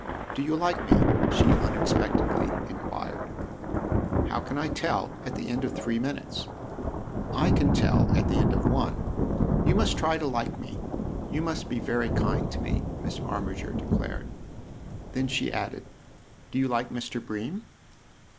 " Do you like me ?" she unexpectedly inquired. " How can I tell at the end of three minutes ?""/ can tell at the end of one ! You must try to like me you must be very kind to me/' Miss Armiger declared. Then she added :" Do you like Mr. Bream